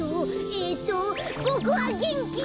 えっとボクはげんきです！